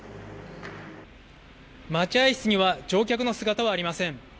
待合室には乗客の姿はありません。